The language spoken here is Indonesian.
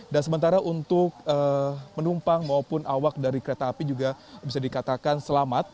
dan sementara untuk penumpang maupun awak dari kereta api juga bisa dikatakan selamat